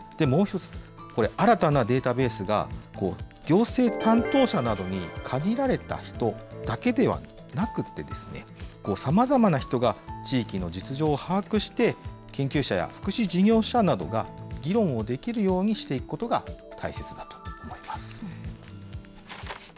もう一つ、これ、新たなデータベースが行政担当者などに限られた人だけではなくてですね、さまざまな人が地域の実情を把握して、研究者や、福祉事業者などが議論をできるようにしていくことが大切だと思います。